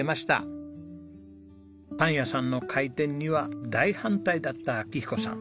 パン屋さんの開店には大反対だった明彦さん。